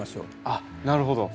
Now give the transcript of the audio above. あっなるほど。